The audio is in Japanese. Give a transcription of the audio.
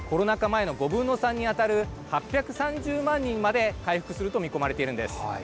前の５分の３に当たる８３０万人にまで回復すると見込まれているんです。